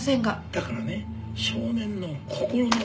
だからね少年の心の。